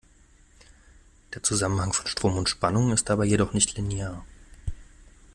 Der Zusammenhang von Strom und Spannung ist dabei jedoch nicht linear.